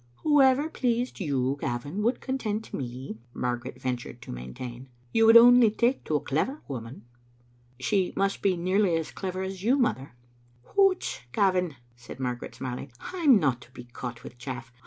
"Whoever pleased you, Gavin, would content me," Margaret ventured to maintain. " You would only take to a clever woman." "She must be nearly as clever as you, mother." "Hoots, Gavin," said Margaret, smiling, "I'm not to be caught with chaff.